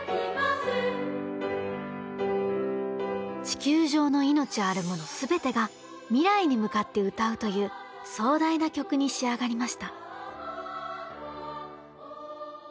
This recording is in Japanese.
地球上の命あるもの全てが未来に向かって歌うという壮大な曲に仕上がりました。